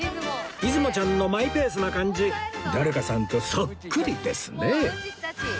いずもちゃんのマイペースな感じ誰かさんとそっくりですね